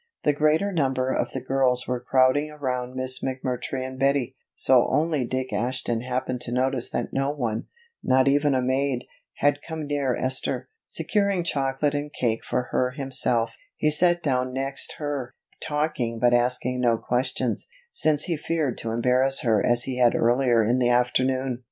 The greater number of the girls were crowding around Miss McMurtry and Betty, so only Dick Ashton happened to notice that no one, not even a maid, had come near Esther. Securing chocolate and cake for her himself, he sat down next her, talking but asking no questions, since he feared to embarrass her as he had earlier in the afternoon.